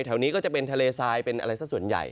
แถวนี้ก็จะเป็นเมืองที่ปกประเทศไทยซ้าย